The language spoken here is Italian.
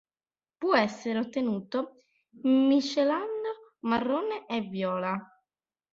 Può essere ottenuto miscelando marrone e viola.